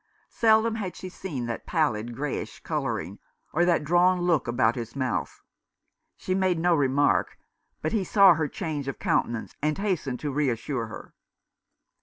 Seldom had she seen that pallid greyish colouring, or that 335 Rough Justice. drawn look about his mouth. She made no remark, but he saw her change of countenance and hastened to reassure her.